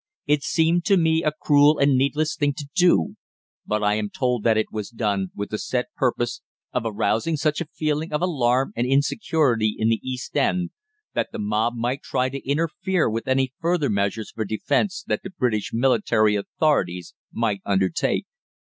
It seemed to me a cruel and needless thing to do, but I am told that it was done with the set purpose of arousing such a feeling of alarm and insecurity in the East End that the mob might try to interfere with any further measures for defence that the British military authorities might undertake.